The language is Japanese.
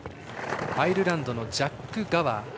アイルランドのジャック・ガワー。